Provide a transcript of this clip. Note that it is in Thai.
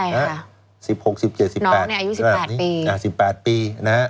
น้องนี้อายุ๑๘ปี